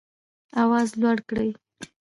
آواز لوړ کړئ